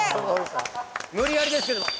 無理やりですけども。